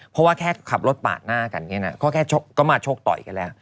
เพราะว่าแค่ขับรถปากหน้ากันก็แค่มาโชคต่ออีกแล้ว